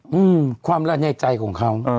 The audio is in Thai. อืมความแน่ใจของเขา